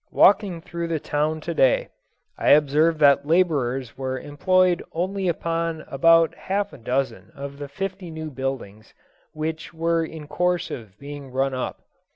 Walking through the town to day, I observed that labourers were employed only upon about half a dozen of the fifty new buildings which were in course of being run up.